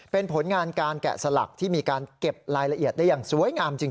เป็นผลงานการแกะสลักที่มีการเก็บรายละเอียดได้อย่างสวยงามจริง